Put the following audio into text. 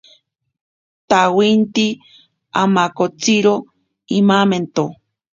Tawiti amankatsiro imamento.